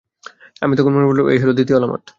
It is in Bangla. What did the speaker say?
আমি তখন মনে মনে বললাম, এই হল দ্বিতীয় আলামত।